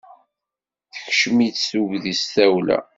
Tekcem-itt tudgi d tawla.